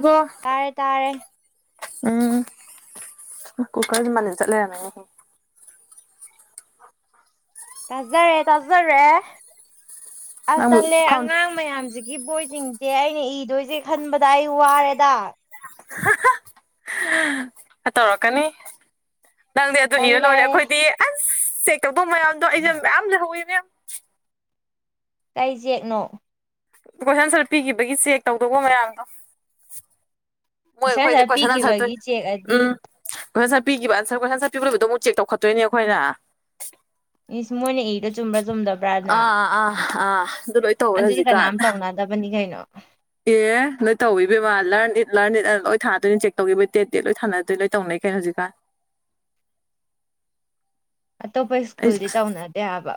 ꯀꯣ ꯇꯥꯔꯦ ꯇꯥꯔꯦ ꯎꯝ ꯀꯨꯀꯔꯒꯤ ꯃꯅꯅ ꯆꯠꯂꯦ ꯌꯥꯅ ꯇꯥꯖꯔꯦ ꯇꯥꯖꯔꯦ ꯑꯁ ꯅꯪ ꯇꯂꯦ ꯐꯝ ꯑꯉꯥꯡ ꯃꯌꯥꯝꯁꯤꯒꯤ ꯕꯣꯏ ꯁꯤꯡꯁꯦ ꯑꯩꯅ ꯏꯗꯣꯏꯁꯦ ꯈꯟꯕꯗ ꯑꯩ ꯋꯥꯔꯦꯗ [inaudible] ꯇꯧꯔꯛꯀꯅꯤ ꯅꯪꯗꯤ ꯑꯗꯨ ꯏꯔ ꯇꯜꯂꯦ ꯂꯣꯏꯔꯦ ꯑꯩꯈꯣꯏꯗꯤ ꯑꯁ ꯇꯧꯕꯣ ꯃꯌꯥꯝꯗꯣ ꯑꯩꯁꯦ ꯃꯌꯥꯝꯁꯨ ꯍꯧꯧꯋꯤ ꯃꯦꯝ ꯀꯖꯦꯛꯅꯣ ꯀꯣꯏꯁꯟ ꯑꯟꯁꯔ ꯄꯤꯈꯤꯕꯒꯤ ꯆꯦꯛ ꯇꯧꯗꯧꯕ ꯃꯌꯥꯝꯗꯣ ꯃꯣꯏ ꯉꯁꯥꯏ ꯑꯩꯈꯣꯏꯗꯤ ꯉꯁꯥꯏ ꯀꯣꯏꯁꯅꯅ ꯆꯠꯇꯦ ꯄꯤꯈꯤꯕꯒꯤ ꯆꯦꯛꯑꯗꯤ ꯎꯝ ꯀꯣꯏꯁꯟ ꯆꯠꯄꯤꯈꯤꯕ ꯑꯟꯁꯔ ꯀꯣꯏꯁꯟ ꯆꯠꯄꯤꯕꯤꯕꯗꯣ ꯑꯃꯨꯛ ꯆꯦꯛ ꯇꯧꯈꯠꯇꯣꯏꯅꯦ ꯑꯩꯈꯣꯏꯅ ꯏꯁꯁ ꯃꯣꯏꯅ ꯏꯗꯣ ꯆꯨꯝꯕ꯭ꯔꯥ ꯆꯨꯝꯗꯕ꯭ꯔꯥꯅ ꯑꯥ ꯑꯥ ꯑꯗꯨ ꯂꯣꯏ ꯇꯧꯋꯦ ꯑꯗꯨꯗꯤ ꯍꯧꯖꯤꯛꯀꯥꯟ ꯀꯅꯥꯝ ꯇꯧꯅꯗꯕꯅꯤ ꯀꯩꯅꯣ ꯑꯦ ꯅꯣꯏ ꯇꯧꯋꯤꯕꯦꯝꯃ ꯂꯔꯟ ꯏꯠ ꯂꯔꯟ ꯏꯠ ꯂꯣꯏ ꯊꯥꯗꯣꯏꯅꯦ ꯆꯦꯛ ꯇꯧꯈꯤꯕꯩ ꯇꯦꯠ ꯇꯦꯠ ꯂꯣꯏ ꯊꯥꯅꯗꯣꯏ ꯂꯣꯏ ꯇꯧꯅꯩ ꯀ ꯀꯩ ꯍꯧꯖꯤꯀ ꯑꯇꯣꯞꯄ ꯁ꯭ꯀꯨꯜꯗꯤ ꯇꯧꯅꯗꯦꯕ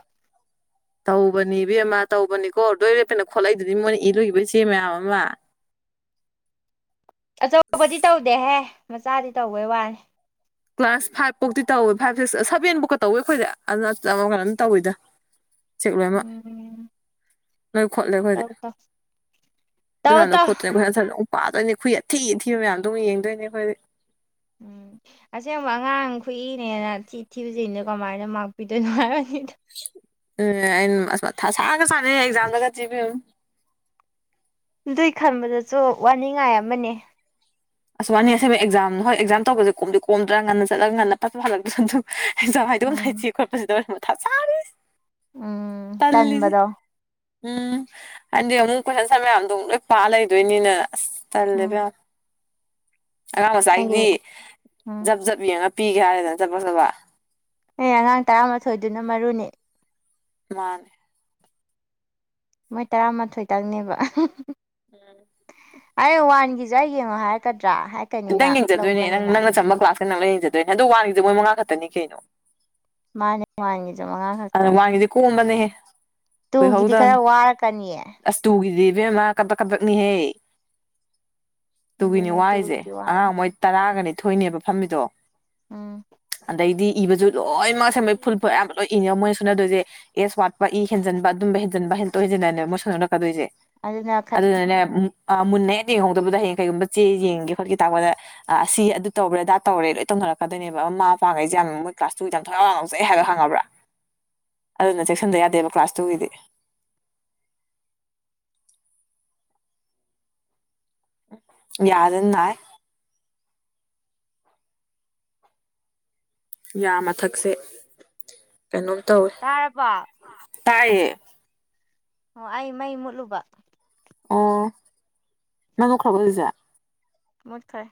ꯇꯧꯕꯅꯦ ꯏꯕꯦꯝꯃ ꯇꯧꯕꯅꯤꯀꯣ ꯂꯣꯏꯔꯦꯞꯄꯦꯅ ꯈꯣꯠꯂꯛꯏꯗꯨꯗꯤ ꯃꯣꯏꯅ ꯏꯂꯨꯏꯕ ꯏꯆꯦ ꯃꯌꯥꯝ ꯑꯃ ꯑꯆꯧꯕꯗꯤ ꯇꯧꯗꯦꯍꯦ ꯃꯆꯥꯗꯤ ꯇꯧꯕꯩ ꯋꯥꯅꯤ ꯀ꯭ꯂꯥꯁ ꯐꯥꯏꯚ ꯐꯧꯇꯤ ꯇꯧꯋꯦ ꯐꯥꯏꯚ ꯁꯤꯛꯁ ꯁꯚꯦꯟ ꯐꯧꯀ ꯇꯧꯋꯤ ꯑꯩꯈꯣꯏꯗ ꯀꯩꯅꯝ ꯇꯧꯋꯤꯗ [inaudible] ꯆꯠ ꯂꯃꯛ ꯎꯝ ꯅꯣꯏ ꯈꯣꯠꯂꯦ ꯑꯩꯈꯣꯏꯗꯤ ꯇꯧ ꯇꯧ ꯇꯧ ꯑꯗꯨꯀꯥꯟꯗꯣ ꯇꯧ ꯈꯣꯠꯇ꯭ꯔꯦ ꯑꯩꯈꯣꯏ ꯍꯟꯊꯠꯂ ꯄꯥꯗꯣꯏꯅꯦ ꯈꯨꯏ ꯑꯊꯤ ꯑꯊꯤꯕ ꯃꯌꯥꯝꯗꯣ ꯑꯃ ꯌꯦꯡꯗꯣꯏꯅꯦ ꯑꯩꯈꯣꯏ ꯎꯝ ꯑꯁꯦꯡꯕ ꯑꯉꯥꯡ ꯈꯨꯏꯅꯦꯅ ꯊꯤ ꯊꯤꯕꯁꯤꯅꯣ ꯀꯃꯥꯏꯅ ꯃꯥꯛꯄꯤꯗꯣꯏꯅꯣ ꯍꯥꯏ ꯎꯝ ꯑꯩꯅꯁꯥꯒ ꯁꯥꯟꯅꯩ ꯑꯦꯛꯖꯥꯝꯗꯒ ꯆꯤꯕꯤꯌꯨ ꯑꯗꯨꯏ ꯈꯟꯕꯗꯁꯨ ꯋꯥꯅꯤꯡꯉꯥꯏ ꯑꯃꯅꯤ ꯑꯁꯨꯕꯥꯅꯤ ꯑꯁꯕ ꯑꯦꯛꯖꯥꯝ ꯍꯣꯏ ꯑꯦꯛꯖꯥꯝ ꯇꯧꯕꯁꯦ ꯀꯣꯝꯗꯤ ꯀꯣꯝꯗ꯭ꯔꯥ ꯉꯟꯅ ꯆꯠꯂꯒ ꯉꯟꯅ ꯐꯠꯁꯨ ꯍꯜꯂꯛꯇ꯭ꯔꯁꯨ ꯍꯖꯋꯥ ꯍꯥꯏꯗꯣꯝ ꯎꯝ ꯂꯩꯇ ꯈꯣꯠꯄꯁꯤꯗ ꯑꯣꯏꯅꯔ ꯃꯊꯥ ꯆꯥꯔꯤ ꯇꯜꯁꯤ ꯇꯟꯕꯗꯣ ꯎꯝ ꯎꯝ ꯍꯥꯏꯗꯤ ꯑꯣꯅ ꯑꯩꯈꯣꯏꯁꯟꯁ ꯃꯌꯥꯝꯗ ꯂꯣꯏ ꯄꯥꯛ ꯂꯩꯗꯣꯏꯅꯤꯅ ꯑꯁ ꯇꯟꯕꯗꯣ ꯆꯜꯂꯦꯕ ꯑꯉꯥꯡ ꯑꯩꯒꯤ ꯃꯆꯥꯒꯤꯗꯤ ꯎꯝ ꯖꯞ ꯖꯞ ꯌꯦꯡꯉ ꯄꯤꯒꯦ ꯍꯥꯏꯔꯦꯗꯅ ꯆꯠꯄ ꯆꯠꯄ ꯑꯦ ꯑꯉꯥꯡ ꯇꯔꯥꯃꯥꯊꯣꯏꯗꯨꯅ ꯃꯔꯨꯅꯤ ꯃꯥꯅꯦ ꯃꯣꯏ ꯇꯔꯥꯃꯥꯊꯣꯏꯇꯪꯅꯦꯕ ꯎꯝ ꯑꯦ ꯋꯥꯥꯟꯒꯤꯖꯏꯦ ꯋꯥ ꯍꯥ ꯍꯥꯏꯔ ꯀ ꯈꯤꯇꯪ ꯌꯦꯡꯖꯗꯣꯏꯅꯦ ꯅꯪ ꯅꯪꯅ ꯆꯝꯕ ꯀ꯭ꯂꯥꯁꯇ ꯅꯪꯅ ꯌꯦꯡꯖꯗꯣꯏꯅꯦ ꯑꯗꯨ ꯋꯥꯂꯤꯁꯦ ꯃꯣꯏ ꯃꯉꯥ ꯈꯛꯇꯅꯤ ꯀꯩꯅꯣ ꯃꯥꯅꯦ ꯃꯥ ꯑꯗ ꯋꯥꯡꯒꯤꯗꯤ ꯀꯣꯝꯕꯅꯦꯍ ꯇꯨꯒꯤꯗꯤ ꯈꯔ ꯀꯈꯣꯏꯍꯧꯗ ꯋꯥꯔꯛꯀꯅꯤꯌꯦ ꯑꯁꯇꯨꯒꯤꯗꯤ ꯏꯕꯦꯝꯃ ꯀꯄꯛ ꯀꯄꯛꯅꯤꯍꯦ ꯇꯨꯒꯤꯅꯤ ꯑꯗꯨꯅꯦ ꯋꯥꯔꯤꯁꯦ ꯇꯨꯒꯤꯗꯤ ꯋꯥꯅꯤ ꯑꯉꯥꯡ ꯃꯣꯏ ꯇꯔꯥꯒꯅꯤꯊꯣꯏꯅꯦꯕ ꯐꯝꯕꯤꯗꯣ ꯎꯝ ꯑꯗꯩꯗꯤ ꯏꯕꯁꯨ ꯂꯣꯏꯅꯃꯛ ꯁꯦꯝꯕ ꯐꯨꯜ ꯐ ꯑꯌꯥꯝꯕ ꯂꯣꯏꯅ ꯃꯣꯏꯅ ꯁꯨꯅꯗꯣꯏꯁꯦ ꯑꯦꯁ ꯋꯥꯠꯄ ꯏ ꯍꯦꯟꯖꯟꯕ ꯑꯗꯨꯝꯕ ꯍꯦꯟꯖꯟꯕ ꯍꯦꯟꯇꯣꯛ ꯍꯦꯟꯖꯤꯟꯅꯅꯦꯕ ꯃꯣꯏ ꯁꯅꯔꯛꯀꯗꯣꯏꯁꯦ ꯑꯗꯨꯅ ꯑꯗ ꯎ ꯑ ꯃꯨꯟꯅ ꯍꯦꯦꯛ ꯌꯦꯡꯍꯧꯗꯕꯗ ꯍꯌꯦ ꯀꯩꯒꯨꯝꯕ ꯆꯦ ꯌꯦꯡꯒꯦ ꯈꯣꯠꯀꯦ ꯇꯥꯛꯄꯗ ꯑꯁꯤ ꯑꯗꯨ ꯇꯧꯕꯔꯦ ꯑꯗꯥ ꯇꯧꯔꯦ ꯂꯣꯏ ꯇꯧ ꯅꯔꯛꯀꯣꯏꯅꯦꯕ ꯑꯃ ꯃꯥ ꯃ ꯄꯥꯡꯉꯩꯁꯦ ꯌꯥꯝ ꯃꯣꯏ ꯀ꯭ꯂꯥꯁ ꯇꯨꯁ ꯌꯥꯝ ꯊꯣꯏꯏꯎꯥꯎ ꯉꯥꯎꯖꯩ ꯍꯥꯏꯕ ꯈꯉ꯭ꯔꯥ ꯑꯗꯨꯅ ꯆꯦꯛꯁꯤꯟꯗ ꯌꯥꯗꯦꯕ ꯀ꯭ꯂꯥꯁ ꯇꯨꯒꯤꯗꯤ ꯑ ꯌꯥꯔꯟꯅ ꯌꯥꯝ ꯃꯊꯛꯁꯦ ꯀꯩꯅꯣꯝ ꯇꯧꯋꯦ ꯇꯥꯔꯕꯣ ꯇꯌꯦ ꯑꯣ ꯑꯩ ꯃꯩ ꯃꯨꯠꯂꯨꯕ ꯑꯣ ꯅꯪ ꯀꯈ꯭ꯔꯥꯕ ꯖꯥ ꯃꯠꯈꯥꯏ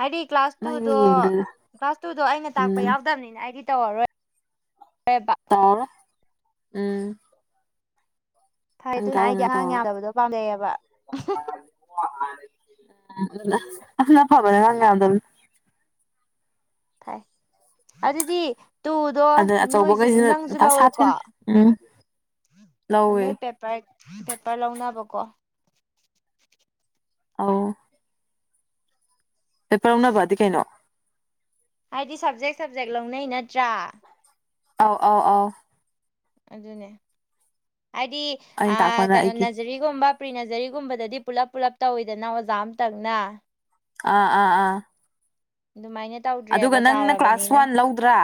ꯍꯥꯏꯗꯤ ꯀ꯭ꯂꯥꯁ ꯃꯩꯅ ꯇꯨꯗꯣ ꯌꯦꯡꯗꯣꯏꯔ ꯀ꯭ꯂꯥꯁ ꯇꯨꯗꯣ ꯑꯩꯅ ꯇꯥꯛꯄ ꯎꯝ ꯌꯥꯎꯗꯕꯅꯤꯅ ꯑꯩꯗꯤ ꯇꯧꯔꯔꯣꯏ ꯇꯥꯎꯔ ꯎꯝ ꯅꯪ ꯊꯥꯏꯗꯨꯅ ꯑꯩꯗꯤ ꯇꯧꯔꯝꯅꯤꯅ ꯑꯉꯥꯡ ꯇꯧꯔꯔꯣꯏ ꯌꯥꯝꯗꯕꯗꯣ ꯄꯥꯝꯖꯩꯑꯕ ꯅ ꯐꯕꯅꯦ ꯂꯉꯗ ꯐ ꯑꯗꯤ ꯇꯨꯗꯣ ꯑꯗ ꯅꯣꯏꯁꯨ ꯑꯆꯧꯕꯈꯩꯁꯤꯅ ꯅꯪꯁꯨ ꯃꯊꯥ ꯂꯧꯏꯀꯣ ꯁꯥꯗꯣꯏꯅꯤ ꯎꯝ ꯂꯧꯋꯦ ꯅꯣꯏ ꯄꯦꯄꯔ ꯄꯦꯄꯔ ꯂꯧꯅꯕꯀꯣ ꯑ ꯑꯩ ꯄꯔꯝꯅꯕꯗꯤ ꯀꯩꯅꯣ ꯍꯥꯏꯗꯤ ꯁꯞꯖꯦꯛ ꯁꯞꯖꯦꯛ ꯂꯧꯅꯩ ꯅꯠꯇ꯭ꯔꯥ ꯑꯥꯎ ꯑꯥꯎ ꯑꯥꯎ ꯑꯗꯨꯅꯦ ꯍꯥꯏꯗꯤ ꯑꯩꯅ ꯇꯥꯛꯄꯅ ꯀꯩꯅꯣ ꯑꯩꯒꯤ ꯅꯖꯔꯤꯒꯨꯝꯕ ꯄ꯭ꯔꯤ ꯅꯖꯔꯤꯒꯨꯝꯕꯗꯗꯤ ꯗꯤ ꯄꯨꯂꯞ ꯄꯨꯜꯂꯞ ꯇꯧꯋꯤꯗꯅ ꯑꯣꯖꯥ ꯑꯃꯝꯇꯪꯅ ꯑꯥ ꯑꯥ ꯑꯥ ꯑꯗꯨꯃꯥꯏꯅ ꯇꯧꯗ꯭ꯔꯦꯕ ꯑꯗꯨꯒ ꯅꯪꯅ ꯀ꯭ꯂꯥꯁ ꯆꯥꯎꯔꯕꯅꯤꯅ ꯋꯥꯟ ꯂꯧꯗ꯭ꯔꯥ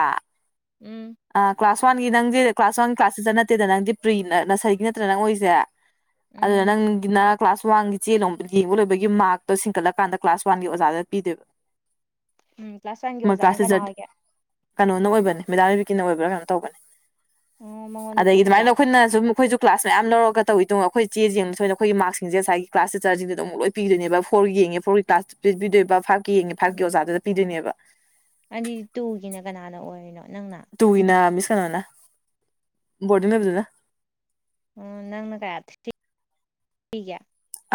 ꯎꯝ ꯑꯥ ꯀ꯭ꯂꯥꯁ ꯋꯥꯟꯒꯤ ꯅꯪꯗꯤ ꯀ꯭ꯂꯥꯁ ꯋꯥꯟꯒꯤ ꯀ꯭ꯂꯥꯁꯁꯤ ꯆꯠ ꯅꯠꯇꯦꯗ ꯅꯪꯗꯤ ꯄ꯭ꯔꯤ ꯅꯁꯔꯤꯒꯤ ꯅꯠꯇ꯭ꯔꯥ ꯅꯪ ꯑꯣꯏꯁꯦ ꯑꯗꯨ ꯎꯝ ꯅꯪ ꯀ꯭ꯂꯥꯁ ꯋꯥꯟꯒꯤ ꯆꯦ ꯂꯣꯝ ꯌꯦꯡꯕ ꯂꯣꯏꯕꯒꯤ ꯃꯥꯔꯛꯇꯣ ꯁꯤꯡꯀꯠꯂꯀꯥꯟꯗ ꯀ꯭ꯂꯥꯁ ꯋꯥꯟꯒꯤ ꯑꯣꯖꯥꯗ ꯄꯤꯗꯦꯕ ꯎꯝ ꯀ꯭ꯂꯥꯁ ꯋꯥꯟꯒꯤ ꯑꯣꯖꯥꯅ ꯀꯅꯥ ꯑꯣꯏꯒꯦ ꯀꯩꯅꯣꯅ ꯑꯣꯏꯕꯅꯤ ꯃꯦꯗꯥ ꯅꯨꯕꯤꯀꯤꯅ ꯑꯣꯏꯕ꯭ꯔꯥ ꯀꯩꯅꯣ ꯇꯧꯕꯅꯤ ꯑꯣ ꯃꯉꯣꯟꯗ ꯑꯗꯒꯤ ꯄꯤꯗꯣꯏꯕ ꯑꯗꯨꯃꯥꯏꯅ ꯑꯩꯈꯣꯏꯅ ꯁꯨꯝ ꯑꯩꯈꯣꯏꯁꯨ ꯀ꯭ꯂꯥꯁ ꯃꯌꯥꯝ ꯂꯧꯔꯒ ꯇꯧꯋꯤ ꯇꯣ ꯑꯩꯈꯣꯏ ꯆꯦ ꯌꯦꯕ ꯁꯣꯏꯗ ꯑꯩꯈꯒꯤ ꯃꯥꯔꯛꯁꯤꯡꯁꯦ ꯉꯁꯥꯏꯒꯤ ꯀ꯭ꯂꯥꯁ ꯇꯤꯆꯔꯁꯤꯡꯁꯤꯗꯣ ꯑꯃꯨ ꯂꯣꯏ ꯄꯗꯣꯏꯅꯦꯕ ꯐꯣꯔꯒꯤ ꯌꯦꯡꯉꯦ ꯐꯣꯔꯒꯤ ꯀ꯭ꯂꯥꯁꯇ ꯄꯤꯕꯤꯗꯣꯏꯕ ꯐꯥꯏꯚꯀꯤ ꯌꯦꯡꯉꯦ ꯐꯥꯏꯚꯀꯤ ꯎꯝ ꯑꯣꯖꯥꯗꯨꯗ ꯄꯤꯗꯣꯏꯅꯦꯕ ꯑꯗꯨꯗꯤ ꯇꯨꯒꯤꯅ ꯀꯅꯥꯅ ꯑꯣꯏꯔꯤꯅꯣ ꯅꯪꯅ ꯇꯨꯋꯏꯅꯥ ꯃꯤꯁ ꯀꯣꯅ ꯕꯣꯔꯗꯤꯡ ꯂꯩꯗꯨꯅ ꯎꯝ ꯅꯪꯅ ꯀꯥꯏ ꯀ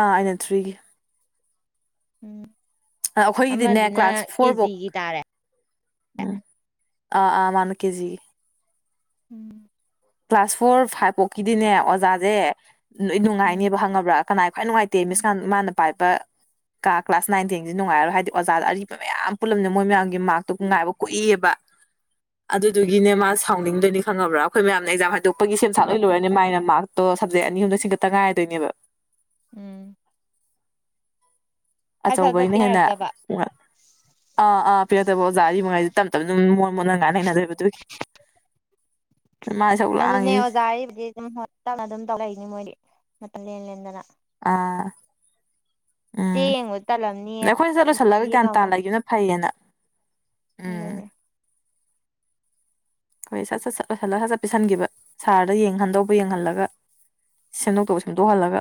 ꯑꯥ ꯑꯩꯅ ꯊ꯭ꯔꯤꯒ ꯎꯝ ꯑ ꯑꯩꯈꯣꯏꯒꯤꯗꯤꯅꯦ ꯑꯃꯗꯨꯅ ꯀ꯭ꯂꯥꯁ ꯐꯣꯔ ꯐꯧ ꯀꯦꯖꯤꯒꯤ ꯇꯥꯔꯦ ꯎꯝ ꯑ ꯑꯥ ꯃꯅ ꯀꯦꯖꯤ ꯎꯝ ꯀ꯭ꯂꯥꯁ ꯐꯣꯔ ꯐꯥꯏꯚ ꯄꯣꯛꯈꯤꯗꯤꯅꯦ ꯑꯣꯖꯥꯁꯦ ꯅꯣꯏ ꯎꯝ ꯅꯨꯡꯉꯥꯏꯅꯦꯕ ꯈꯪꯉꯕ꯭ꯔꯥ ꯀꯅꯥꯏ ꯈ꯭ꯋꯥꯏ ꯅꯨꯡꯉꯥꯏꯇꯦ ꯃꯤꯁꯀ ꯃꯥꯅ ꯄꯥꯏꯕ ꯀꯥ ꯀ꯭ꯂꯥꯁ ꯅꯥꯏꯟ ꯊꯦꯟꯁꯤ ꯅꯨꯡꯉꯥꯏꯔꯣ ꯍꯥꯏꯗꯤ ꯑꯣꯖꯥꯗ ꯑꯔꯤꯕ ꯃꯌꯥꯝ ꯄꯨꯜꯂꯝꯃꯤꯅ ꯃꯣꯏ ꯃꯌꯥꯝꯒꯤ ꯃꯥꯔꯛꯇꯣ ꯉꯥꯏꯕ ꯀꯨꯏꯦꯕ [inaudible] ꯑꯗꯨꯗꯨꯒꯤꯅꯦ ꯃꯥ ꯁꯥꯎꯅꯤꯡꯗꯣꯏꯅꯤ ꯈꯪꯉꯕ꯭ꯔꯥ ꯑꯩꯈꯣꯏ ꯃꯌꯥꯝ ꯑꯦꯛꯖꯥꯝ ꯍꯥꯏꯗꯣꯛꯄꯒꯤ ꯁꯦꯝ ꯁꯥꯠ ꯂꯣꯏ ꯂꯣꯏꯔꯅꯤ ꯃꯥꯏꯅ ꯃꯥꯔꯛꯇꯣ ꯁꯞꯖꯦꯛ ꯑꯅꯤ ꯑꯍꯝꯗ ꯁꯤꯡꯒꯠꯇ ꯉꯥꯏꯗꯣꯏꯅꯦꯕ ꯎꯝ ꯐꯠ ꯐꯠ ꯐꯠ ꯑꯆꯧꯕꯩꯅ ꯍꯦꯟꯅ ꯄꯤꯅꯔꯛꯇꯕ ꯑꯥ ꯑꯥ ꯄꯤꯔꯗꯕ ꯑꯣꯖꯥꯗꯤ ꯅꯨꯡꯉꯥꯏ ꯇꯞ ꯇꯞꯅ ꯑꯗꯨꯝ ꯃꯣꯟ ꯃꯣꯅ ꯉꯥꯏ ꯂꯩꯅꯗꯣꯏꯕ ꯑꯗꯨꯒꯤ ꯃꯥꯏ ꯁꯔꯨꯛ ꯑꯗꯨꯅꯦ ꯂꯥꯡꯉꯤꯁꯦ ꯑꯣꯖꯥ ꯍꯥꯏꯔꯤꯕꯗꯤ ꯑꯗꯨꯝ ꯍꯣꯄꯤꯇꯥ ꯑꯗꯨꯝ ꯇꯧꯔꯛꯏꯅꯤ ꯃꯣꯏꯗꯤ ꯃꯇꯝ ꯂꯦꯟ ꯂꯦꯟꯗꯅ ꯑ ꯆꯦ ꯎꯝ ꯌꯦꯡꯕꯗ ꯇꯜꯂꯝꯅꯤ ꯑꯗ ꯑꯩꯈꯣꯏꯅ ꯀꯩꯁꯨ ꯆꯠꯂꯨꯁꯜꯂꯒ ꯒ꯭ꯌꯥꯟ ꯇꯥꯜꯂꯒꯦꯅ ꯐꯩꯌꯦꯅ ꯎꯝ ꯦ ꯍꯣꯏ ꯁꯠ ꯁꯠ ꯁꯠ ꯂꯜꯂ ꯁꯠ ꯆꯠ ꯄꯤꯁꯟꯈꯤꯕ ꯁꯥꯔꯗ ꯌꯦꯡꯍꯟꯗꯧꯕ ꯌꯦꯡꯍꯜꯂꯒ ꯁꯦꯝꯗꯣꯛꯇꯣꯛ ꯁꯦꯝꯗꯣꯛꯍꯜꯂꯒ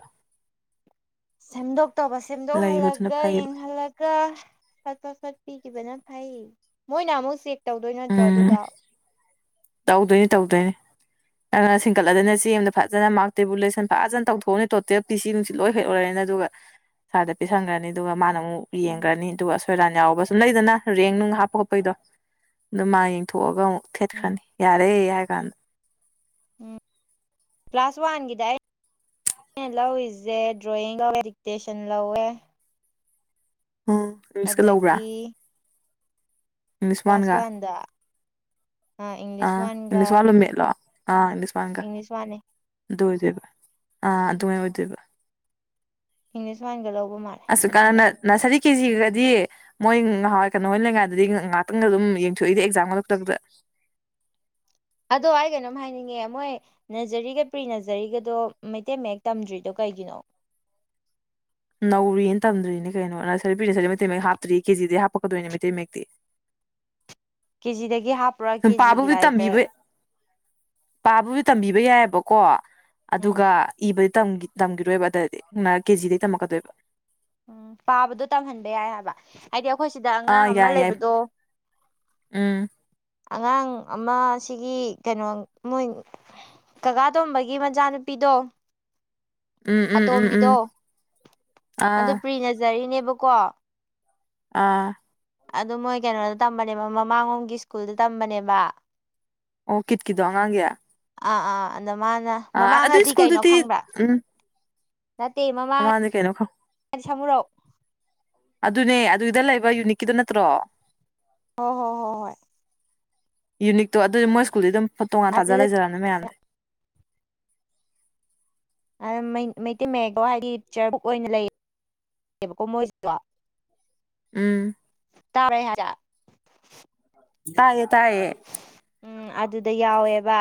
ꯁꯦꯝꯗꯣꯛꯇꯧꯕ ꯂꯩꯕꯗꯨꯅ ꯁꯦꯝꯗꯣꯛꯍꯜꯂꯒ ꯐꯩꯌꯦꯕ ꯌꯦꯡꯍꯜꯂꯒ ꯆꯠꯠꯇꯣ ꯆꯠꯠꯇꯄꯤ ꯆꯈꯤꯕꯅ ꯐꯩ ꯃꯣꯏꯅ ꯑꯃꯨꯛ ꯆꯦꯛ ꯇꯧꯗꯣꯏ ꯅꯠꯇ꯭ꯔꯣ ꯎꯝ ꯑꯗꯨꯗꯣ ꯇꯧꯗꯣꯏꯅꯤ ꯇꯧꯗꯣꯏꯅꯤ ꯅꯪꯅ ꯁꯤꯡꯀꯠꯂꯗꯅ ꯆꯦ ꯑꯃꯗ ꯐꯖꯅ ꯃꯥꯔꯛ ꯇꯦꯕꯨꯂꯦꯁꯟ ꯐꯖꯅ ꯇꯧꯊꯣꯛꯎꯅꯤ ꯇꯣꯇꯦꯜ ꯄꯤ ꯁꯤ ꯅꯨꯡꯁꯤ ꯂꯣꯏ ꯍꯦꯛ ꯑꯣꯏꯔꯦꯅ ꯑꯗꯨꯒ ꯁꯗ ꯄꯤꯤꯁꯟꯈ꯭ꯔꯅꯤ ꯑꯗꯨꯒ ꯃꯥꯅ ꯑꯃꯨꯛ ꯎꯝ ꯌꯦꯡꯈ꯭ꯔꯅꯤ ꯑꯗꯨꯒ ꯑꯁꯣꯏꯔꯥꯟ ꯌꯥꯎꯕ ꯁꯨꯝ ꯂꯩꯗꯅ ꯔꯦꯡ ꯅꯨꯡ ꯍꯥꯞꯄ ꯈꯣꯠꯄꯩꯗꯣ ꯑꯗꯨ ꯃꯥ ꯌꯦꯡꯊꯣꯛꯑꯒ ꯑꯃꯨꯛ ꯎꯝ ꯊꯦꯠꯈ꯭ꯔꯅꯤ ꯌꯥꯔꯦ ꯌꯥꯒꯅ ꯄ ꯀ꯭ꯂ꯭ꯂꯥꯁꯋꯥ ꯍꯒꯗ ꯂ ꯏ ꯗꯦ ꯗ꯭ꯔꯣꯌꯦꯟ ꯂ ꯑꯦ ꯎꯝ ꯏꯪꯂꯤꯁꯀ ꯂꯧꯕ꯭ꯔꯥ ꯑꯗꯒꯤ ꯏꯪꯂꯤꯁ ꯀ꯭ꯂ꯭ꯂꯥꯁ ꯋꯥꯟꯗ ꯑꯥ ꯑ ꯏꯪꯂꯤꯁ ꯋꯥꯟꯒ ꯏꯟꯅꯁꯨ ꯋꯥꯂ ꯃꯦꯠꯂꯣ ꯑ ꯏꯟꯅꯁꯨ ꯋꯥꯒ ꯏꯪꯂꯤꯁ ꯋꯥꯟꯅꯦ ꯑꯗꯨ ꯑꯣꯏꯗꯣꯏꯕ ꯑꯥ ꯑꯗꯨꯉꯥꯏ ꯑꯣꯏꯗꯣꯏꯕ ꯏꯪꯂꯤꯁ ꯃꯅꯒ ꯂ ꯑꯁ ꯀ ꯅꯔꯁꯔꯤ ꯀꯦꯖꯤꯒꯗꯤ ꯃꯣꯏ ꯉꯥꯏꯍꯥꯟꯋꯥꯏ ꯀꯩꯅꯣꯣꯏ ꯂꯩꯉꯥꯏꯗꯗꯤ ꯉꯥꯏꯍꯥꯛꯇꯪ ꯑꯗꯨꯝ ꯌꯦꯡꯊꯣꯛꯏꯗꯤ ꯑꯦꯛꯖꯥꯝꯒꯂꯛꯇꯗ [unintelligible] ꯑꯗꯣ ꯑꯩ ꯀꯩꯅꯣꯝ ꯍꯥꯏꯅꯤꯡꯉꯦ ꯃꯣꯏ ꯅꯔꯖꯔꯤꯒ ꯄ꯭ꯔꯤ ꯅꯔꯖꯔꯤꯒꯗꯣ ꯃꯩꯇꯩ ꯃꯌꯦꯛ ꯇꯝꯗ꯭ꯔꯤꯗꯣꯩꯅꯣ ꯆꯩꯒꯤꯅꯣ ꯅꯧꯔꯤꯅ ꯇꯝꯗ꯭ꯔꯤꯅꯦ ꯀꯩꯅꯣ ꯅꯔꯁꯔꯤ ꯄꯤꯔꯁꯔꯤ ꯃꯩꯇꯩ ꯃ ꯍꯥꯞꯇ꯭ꯔꯤ ꯀꯦꯖꯤꯗ ꯍꯥꯄꯛ ꯗꯅꯤꯃꯤꯇꯤ ꯃꯦꯌꯦꯛꯛꯇꯗꯤ ꯀꯦꯖꯤꯗꯒꯤ ꯍꯥꯞ ꯅꯨꯄꯥꯥꯕꯨꯗꯤ ꯇꯝꯕꯤꯕ ꯄꯥꯕꯨꯁꯨ ꯇꯝꯕꯤꯕ ꯌꯥꯏꯑꯕꯀꯣ ꯎꯝ ꯑꯗꯨꯒ ꯏꯕ ꯇꯝꯈꯤꯔꯣꯏꯕ ꯑꯗꯏꯗꯤ ꯉ ꯀꯦꯖꯤꯗꯩ ꯇꯝꯃꯛꯀꯗꯣꯏꯕ ꯎꯝ ꯄꯥꯕꯗꯣ ꯇꯝꯍꯟꯕ ꯌꯥꯏ ꯍꯥꯏꯕ ꯍꯥꯏꯗꯤ ꯑꯩꯈꯣꯏ ꯁꯤꯗ ꯑꯉꯥꯡ ꯑꯥ ꯑꯃ ꯌꯥꯏ ꯌꯥꯏ ꯂꯩꯕꯗꯣ ꯎꯝ ꯑꯉꯥꯡ ꯑꯃꯁꯤꯒꯤ ꯀꯩꯅꯣ ꯃꯣꯏ ꯀꯀꯥ ꯇꯣꯝꯕꯒꯤ ꯃꯆꯥꯅꯨꯄꯤꯗꯣ ꯎꯝ ꯎꯝ ꯎꯝ ꯎꯝ ꯑꯣ ꯑꯥ ꯄ꯭ꯔꯤꯅꯖꯔꯤꯅꯦꯕꯀꯣ ꯑ ꯑꯗꯨ ꯃꯣꯏ ꯀꯩꯅꯣꯗ ꯇꯝꯕꯅꯦꯕ ꯃꯃꯥꯡꯉꯣꯝꯒꯤ ꯁ꯭ꯀꯨꯜꯗ ꯇꯝꯕꯅꯦꯕ ꯑꯣ ꯀꯤꯠꯀꯤꯗꯣ ꯑꯉꯥꯡꯒꯤ ꯑꯥ ꯑꯥ ꯑꯗ ꯃꯥꯅ ꯑꯥ ꯑꯗꯨ ꯃꯃꯥꯡꯉꯗꯤ ꯀꯩꯅꯣ ꯁ꯭ꯀꯨꯜꯗꯨꯗꯤ ꯈꯪꯕ꯭ꯔꯥ ꯎꯝ ꯅꯠꯇꯦ ꯃꯃ ꯃꯃꯥꯡꯗ ꯀꯩꯅꯣ ꯈꯪ ꯅꯤ ꯁꯃꯨꯔꯣ ꯑꯗꯨꯅꯦ ꯑꯗꯨꯒꯤꯗ ꯂꯩꯕ ꯌꯨꯅꯤꯛꯀꯤꯗꯨ ꯅꯠꯇ꯭ꯔꯣ ꯍ ꯍꯣ ꯍꯣ ꯍꯣꯏ ꯌꯨꯅꯤꯛꯇꯣ ꯑꯗꯨꯗꯤ ꯃꯣꯏ ꯁ꯭ꯀꯨꯜꯗꯤ ꯑꯗꯨꯝ ꯐꯣ ꯇꯣ ꯉ ꯇꯥꯖ ꯑꯗꯨꯗ ꯂꯩꯖꯔꯅꯤ ꯃꯌꯥꯝꯁꯦ ꯑ ꯃ ꯃꯩꯇꯩ ꯃꯌꯦꯛꯗꯣ ꯍꯥꯏꯗꯤ ꯄꯤꯛꯆꯔ ꯕꯨꯛ ꯑꯣꯏꯅ ꯂꯩꯕꯀꯣ ꯃꯣꯏꯁꯤꯗꯣ ꯎꯝ ꯇꯥꯔꯦ ꯍꯖꯥ ꯇꯥꯏꯌꯦꯌꯦ ꯇꯥꯏꯌꯦ ꯎꯝ ꯑꯗꯨꯗ ꯌꯥꯎꯋꯦꯕ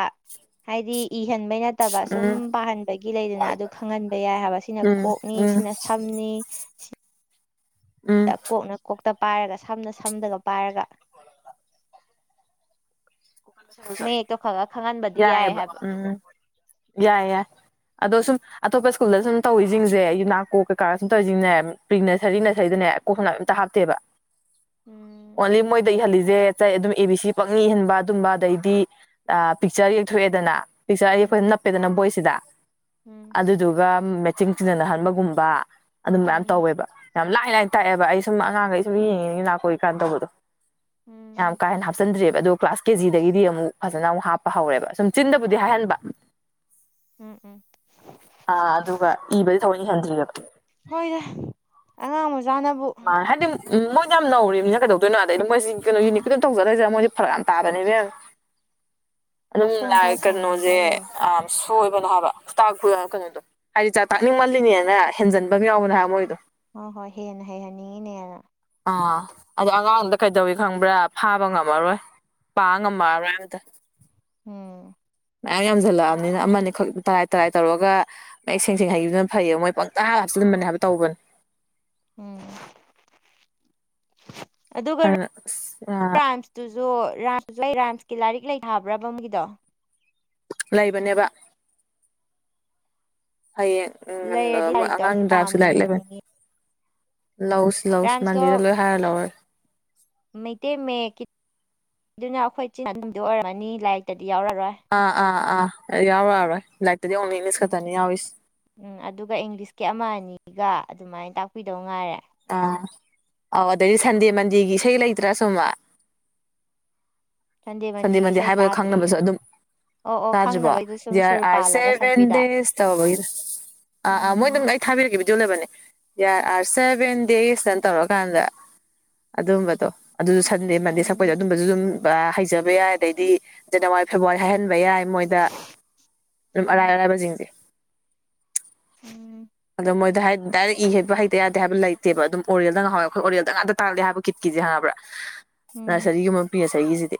ꯍꯥꯏꯗꯤ ꯏꯍꯟꯕꯩ ꯅꯠꯇꯕ ꯁꯨꯝ ꯎꯝ ꯄꯥꯍꯟꯕꯒꯤ ꯂꯩꯗꯅ ꯑꯗꯨ ꯈꯪꯍꯟꯕ ꯌꯥꯏ ꯍꯥꯏꯕ ꯁꯤꯅ ꯎꯝ ꯀꯣꯛꯅꯤ ꯎꯝ ꯁꯤꯅ ꯁꯝ [inaudible] ꯎꯝ ꯀꯣꯛꯅ ꯀꯣꯛꯇ ꯄꯥꯏꯔꯒ ꯁꯝꯅ ꯁꯝꯗꯒ ꯄꯥꯏꯔꯒ ꯃꯌꯦꯛꯇꯣ ꯈꯔ ꯈꯔ ꯈꯪꯍꯟꯕꯗꯤ ꯌꯥꯏ ꯌꯥꯑꯦꯕ ꯍꯥꯏꯕ ꯎꯝ ꯌꯥꯏꯦ ꯌꯥꯏ ꯑꯗꯣ ꯁꯨꯝ ꯑꯇꯣꯞꯄ ꯁ꯭ꯀꯨꯜꯗ ꯁ ꯇꯧꯔꯤꯁꯤꯡꯁꯦ ꯌꯨꯅꯥꯛꯀꯣꯛ ꯀꯩꯀꯥ ꯁꯨꯝ ꯇꯧꯔꯤꯁꯤꯡꯅꯦ ꯄ꯭ꯔꯤ ꯅꯔꯁꯔꯤ ꯅꯁꯔꯤꯗꯅꯦ ꯀꯣꯛ ꯑ ꯍꯥꯞꯇꯦꯕ ꯎꯝ ꯑꯣꯟꯂꯤ ꯃꯣꯏꯗ ꯏꯍꯜꯂꯤꯁꯦ ꯆꯩ ꯑꯗꯨꯝ ꯑꯦ ꯕꯤ ꯁꯤ ꯄꯪꯅꯤ ꯏꯍꯟꯕ ꯑꯗꯨꯝꯕ ꯑꯗꯩꯗꯤ ꯄꯤꯛꯆꯔ ꯌꯦꯛꯊꯣꯛꯑꯦꯗꯅ ꯄꯤꯛꯆꯔ ꯌꯦꯛꯄꯗꯅ ꯎꯝ ꯅꯞꯄꯦꯗꯅ ꯕꯣꯏꯁꯤꯗ ꯎꯝ ꯑꯗꯨꯗꯨꯒ ꯃꯦꯆꯤꯟ ꯆꯤꯖꯟꯅꯍꯟꯕꯒꯨꯝꯕ ꯑꯗꯨꯝ ꯃꯌꯥꯝ ꯎꯝ ꯇꯧꯋꯦꯕ ꯌꯥꯝ ꯂꯥꯏ ꯂꯥꯏꯅ ꯇꯥꯛꯑꯦꯕ ꯑꯩ ꯁꯨꯝ ꯑꯉꯥꯡꯈꯩ ꯁꯨꯝ ꯌꯦꯡꯉꯤ ꯂꯥꯛꯀꯣꯏꯀꯥꯟꯅ ꯇꯧꯕꯗꯣ ꯌꯥꯝ ꯎꯝ ꯀꯥ ꯍꯦꯟꯅ ꯍꯥꯞꯆꯤꯟꯗ꯭ꯔꯦꯕ ꯑꯣ ꯀ꯭ꯂꯥꯁ ꯀꯦꯖꯤꯗ ꯗꯒꯤꯗꯤ ꯑꯃꯨꯛ ꯐꯖꯅ ꯑꯃꯨꯛ ꯍꯥꯞꯄ ꯍꯧꯔꯦꯕ ꯁꯨꯝ ꯆꯤꯟꯗꯕꯨꯗꯤ ꯍꯥꯏꯍꯟꯕ ꯎꯝ ꯎꯝ ꯑꯥ ꯑꯗꯨꯒ ꯏꯕꯗꯤ ꯊꯑꯣꯅꯤꯍꯟꯗ꯭ꯔꯤ ꯍꯣꯏꯅꯦ ꯑꯉꯥꯡ ꯃꯆꯥꯅꯕꯨ ꯍꯥꯏꯗꯤ ꯃꯣꯏ ꯌꯥꯝ ꯅꯧꯔꯤꯕꯅꯤꯅ ꯀꯩꯗꯧꯣꯏꯣ ꯑꯗꯗꯤ ꯃꯣꯏꯁꯤ ꯀꯩꯅꯣ ꯌꯨꯅꯤꯠꯀꯤꯇꯝ ꯇꯧꯖꯗꯔꯏꯁꯦ ꯃꯣꯏ ꯐꯔꯛ ꯌꯥꯝ ꯇꯥꯕꯅꯦ ꯃꯦꯝ [inaudible] ꯑꯗꯨꯝ ꯃꯈꯣꯡ ꯂꯏ ꯈꯔ ꯀꯠꯅꯣꯖꯦ ꯁꯦꯡꯍꯟꯈ꯭ꯔ ꯂꯣꯏꯔꯦ ꯑ ꯑꯣꯏꯕꯅ ꯍꯥꯏꯕ ꯈꯨꯇꯥꯛ ꯀꯩꯅꯣꯗꯣ ꯍꯥꯏꯗꯤ ꯆꯥꯛ ꯇꯥꯛꯅꯤꯡꯃꯜꯂꯤꯅꯦꯅ ꯍꯦꯟꯖꯟꯕꯒ ꯌꯥꯎꯕꯅ ꯍꯥꯏꯕ ꯃꯣꯏꯗꯣ ꯍꯣꯏ ꯍꯣꯏ ꯍꯦꯟꯅ ꯍꯩꯍꯟꯅꯤꯡꯉꯤꯅꯦꯅ ꯑꯥ ꯑꯗ ꯑꯉꯥꯡꯗ ꯀꯩꯗꯧꯋꯤ ꯈꯪꯕ꯭ꯔꯥ ꯐꯥꯕ ꯉꯝꯃꯔꯣꯏ ꯄꯥꯉꯃꯗ ꯑꯣꯝ ꯃꯌꯥꯝ ꯌꯥꯝꯁꯤꯜꯂꯛꯑꯕꯅꯤꯅ ꯑꯃꯅꯤꯈꯛ ꯇꯔꯥꯏ ꯇꯔꯥꯏ ꯇꯧꯔꯒ ꯃꯌꯦꯛ ꯁꯦꯡ ꯁꯦꯡ ꯍꯩꯕꯤꯕꯗꯨꯅ ꯐꯩꯌꯦꯕ ꯃꯣꯏ ꯄꯪꯇꯥ ꯍꯥꯞꯆ ꯑꯗꯨꯕꯅꯦ ꯍꯥꯏꯕ ꯇꯧꯕꯅꯦ ꯎꯝ ꯑꯗꯨꯒ ꯑꯗꯨꯅ ꯑꯁ ꯔꯥꯝꯁꯇꯨꯁꯨ ꯔꯝ ꯍꯧꯖꯤꯛ ꯑꯩ ꯔꯥꯏꯝꯁꯀꯤ ꯂꯥꯏꯔꯤꯛ ꯂꯩ ꯊꯥꯕ꯭ꯔꯕꯝꯒꯤꯗꯣ ꯂꯩꯕꯅꯦꯕ ꯍꯌꯦꯡ ꯂꯩꯔꯗꯤ ꯎꯝ ꯂꯥꯏꯔꯤꯛꯇꯣ ꯑꯝꯇ ꯑꯉꯥꯡꯗ꯭ꯔꯥꯁꯨ ꯄꯥꯝꯃꯤ ꯂꯥꯏꯔꯤꯛ ꯂꯩꯕ ꯂꯧꯁ ꯂꯧꯁ ꯔꯥꯏꯝꯁꯇꯣ ꯃꯟꯗꯤꯔ ꯂꯣꯏ ꯍꯥꯏꯔ ꯂꯧꯔꯦ ꯃꯩꯇꯩ ꯃꯌꯦꯛ ꯑꯗꯨꯅ ꯑꯩꯈꯣꯏ ꯆꯗ ꯑꯣꯏꯔꯝꯃꯅꯤ ꯂꯥꯏꯔꯤꯛꯇ ꯗꯤ ꯌꯥꯎꯔꯔꯣꯏ ꯑ ꯌꯥꯕ ꯌꯥꯕꯦ ꯎꯝ ꯎꯝ ꯑꯗꯨꯒ ꯏꯪꯂꯤꯁꯀꯤ ꯑꯃ ꯑꯅꯤꯒ ꯑꯗꯨꯃꯥꯏꯅ ꯇꯥꯛꯄꯤꯗꯧ ꯉꯥꯏꯔꯦ ꯑꯥ ꯑꯥꯎ ꯑꯗꯩꯗꯤ ꯁꯟꯗꯦ ꯃꯟꯗꯦꯒꯤ ꯏꯁꯩ ꯂꯩꯇ꯭ꯔꯥ ꯁꯨꯝꯃ [inaudible] ꯁꯟꯗꯦ ꯃꯟꯗꯦꯒꯤ ꯃꯟꯗꯦ ꯏꯁꯩ ꯍꯥꯏꯕꯒ ꯇꯥꯗ꯭ꯔꯤꯌꯦ ꯈꯪꯅꯕꯁꯨ ꯑꯗꯨꯝ ꯑꯣ ꯑꯣ ꯆꯥꯖꯕ ꯈꯪꯅꯕꯒꯤꯗꯨ ꯁꯨꯝ ꯁꯨꯔ ꯄꯥꯜꯂꯒ ꯁꯛꯄꯤꯗ ꯑꯁꯦꯕꯦꯟꯗꯤꯦꯁ ꯇꯧꯕꯔ ꯑ ꯑ ꯃꯣꯏ ꯎꯝ ꯅꯝꯒꯥꯏ ꯊꯥꯕꯤꯔꯒꯦꯗꯤ ꯌꯂꯕꯅꯦꯔ ꯑꯥꯔ ꯁꯦꯚꯦꯟ ꯗꯦꯖꯇꯅ ꯇꯧꯔꯀꯥꯟꯗ ꯑꯗꯨꯝꯕꯗꯣ ꯑꯗꯨꯁꯨ ꯃꯟꯗꯦ ꯎꯝ ꯁꯛꯄꯗ ꯑꯗꯨꯝꯕꯁꯨ ꯑꯗꯨꯝ ꯍꯩꯖꯕ ꯌꯥꯏ ꯑꯗꯩꯗꯤ ꯖꯅꯋꯥꯔꯤ ꯐꯦꯕꯋꯥꯔꯤ ꯍꯥꯏꯍꯟꯕ ꯌꯥꯏ ꯃꯣꯏꯗ ꯑꯗꯨꯝ ꯑꯔꯥꯏ ꯑꯔꯥꯏꯕꯁꯤꯡꯁꯦ ꯎꯝ ꯑꯗꯣ ꯃꯣꯏꯗ ꯍꯥꯏ ꯗꯥꯏꯔꯦꯛ ꯏ ꯍꯩꯕ ꯍꯩꯇ ꯌꯥꯗꯦ ꯍꯥꯏꯕ ꯂꯩꯇꯦꯕ ꯑꯗꯨꯝ ꯑꯣꯔꯦꯜꯗꯪꯉꯥꯎꯋꯦ ꯑꯩꯈꯣꯏ ꯑꯣꯔꯦꯜꯗ ꯉꯥꯛꯇ ꯇꯥꯂꯦ ꯍꯥꯏꯕ ꯀꯠꯀꯤꯁꯦ ꯍꯪꯉ꯭ꯔꯥ [inaudible] ꯅꯔꯁꯔꯤꯒꯨꯝꯕ ꯄꯤꯔꯁ ꯑꯩꯒꯤꯁꯤꯗꯤ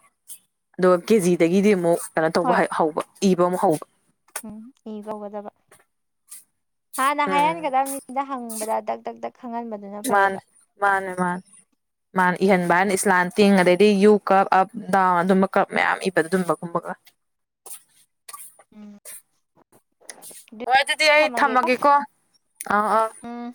ꯑꯗꯨꯒ ꯀꯦꯖꯤꯗꯒꯤꯗꯤ ꯑꯃꯨꯛ ꯀꯩꯅꯣ ꯇꯧꯕ ꯍꯣꯏ ꯍꯧꯕ ꯏꯕ ꯍꯧꯕ ꯎꯝ ꯏ ꯀꯧꯒꯗꯕ ꯍꯥꯟꯅ ꯎꯝ ꯍꯥꯏꯍꯟꯒꯗꯕꯅꯤꯗ ꯍꯪꯕꯗ ꯗꯛ ꯗꯛ ꯗꯛ ꯈꯪꯍꯟꯕꯗꯨꯅ ꯃꯥꯅꯦ ꯐꯩꯌꯦꯕ ꯃꯥꯅꯦ ꯃꯥꯅꯦ ꯃꯥꯅꯦ ꯏꯍꯟꯕ ꯏꯁꯂꯥꯟ ꯇꯦꯡꯉꯗꯩ ꯑꯗꯗꯤ ꯌꯨ ꯀꯞ ꯑꯞ ꯗꯥꯎ ꯑꯗꯨꯝꯕ ꯀꯞ ꯃꯌꯥꯝ ꯏꯕꯗ ꯑꯗꯨꯝꯕꯒꯨꯝꯕꯒ ꯎꯝ ꯍꯣꯏ ꯑꯗꯨꯗꯤ ꯑꯩ ꯊꯝꯃꯒꯦꯀꯣ ꯑ ꯑꯥꯎ ꯎꯝ